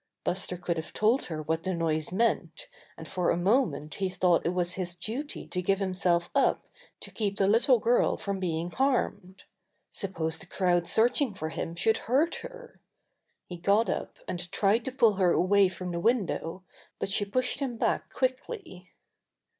Buster could have told her what the noise meant, and for a moment he thought it was his duty to give himself up to keep the little girl from being harmed. Suppose the crowd searching for him should hurt her! He got up, and tried to pull her away from the win dow, but she pushed him back quickly.